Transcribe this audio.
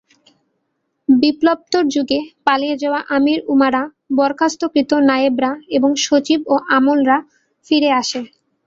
বিপ্লবোত্তর যুগে পালিয়ে যাওয়া আমীর-উমারা, বরখাস্তকৃত নায়েবরা এবং সচিব ও আমলারা ফিরে আসে।